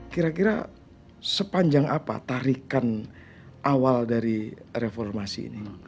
kira kira sepanjang apa tarikan awal dari reformasi ini